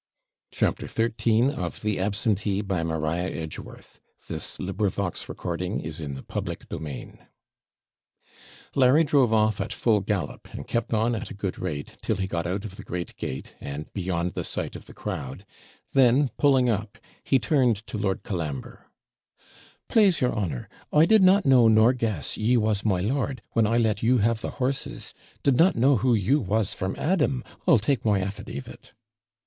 o do." Shut the door, and drive on.' 'Blessings be WID you,' cried the widow, 'and God give you grace!' CHAPTER XIII Larry drove off at full gallop, and kept on at a good rate, till he got out of the great gate, and beyond the sight of the crowd; then, pulling up, he turned to Lord Colambre 'PLASE your honour, I did not know nor guess ye was my lord, when I let you have the horses; did not know who you was from Adam, I'll take my affidavit.'